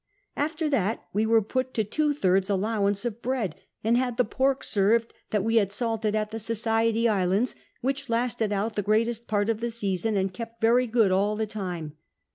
After that we were put to two thirds allowance of bread, and had the pork served that we had salted at the Society Islands, which lasted out the greatest ptart of the season and kept very good all the time.